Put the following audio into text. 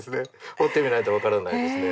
彫ってみないと分からないですね。